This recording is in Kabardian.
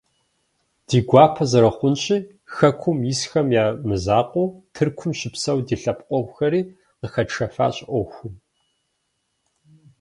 Ди гуапэ зэрыхъунщи, хэкум исхэм я мызакъуэу, Тыркум щыпсэу ди лъэпкъэгъухэри къыхэтшэфащ ӏуэхум.